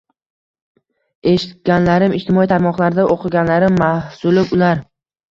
Eshitganlarim, ijtimoiy tarmoqlarda o`qiganlarim mahsuli ular